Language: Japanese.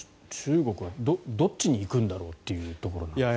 中国はどっちに行くんだろうというところで。